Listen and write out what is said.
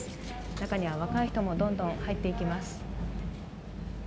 中には若い人もどんどん入っていきます。